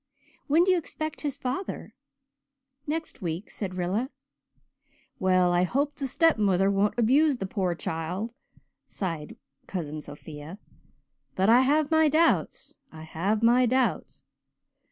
"When do you expect his father?" "Next week," said Rilla. "Well, I hope the stepmother won't abuse the pore child," sighed Cousin Sophia, "but I have my doubts I have my doubts.